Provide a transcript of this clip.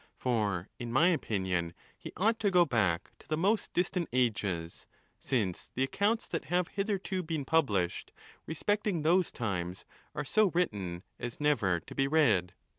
For, in my opinion, he ought to go back to the most distant ages, since the accounts that have hitherto been published respecting those times are so written as never to be read.